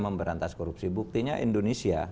memberantas korupsi buktinya indonesia